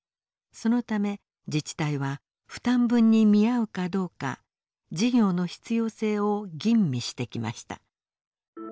そのため自治体は負担分に見合うかどうか事業の必要性を吟味してきました。